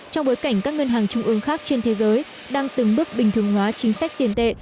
trong bối cảnh các ngân hàng trung ương khác trên thế giới đang từng bước bình thường hóa chính sách tiền tệ